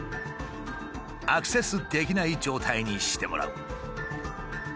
アクセスできない状態にしてもらう。